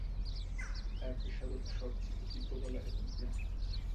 তার পেশাগত শখ ছিল চিত্রকলা এবং পিয়ানো।